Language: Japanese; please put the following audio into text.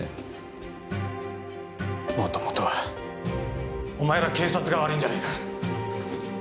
もともとはお前ら警察が悪いんじゃないか。